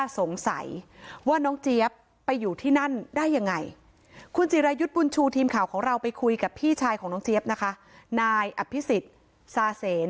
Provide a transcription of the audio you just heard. สู่ทีมข่าวของเราไปคุยกับพี่ชายของน้องเจี๊ยบนะคะนายอภิษฎซาเสน